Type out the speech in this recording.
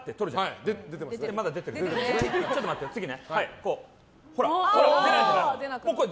ちょっと待って、次ね。